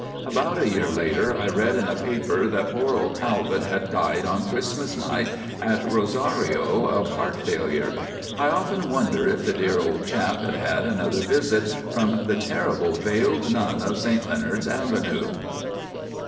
About a year later I read in a paper that poor old Talbot had died on Christmas night at Rosario of heart failure. I often wonder if the dear old chap had had another visit from the terrible Veiled Nun of St Leonards Avenue.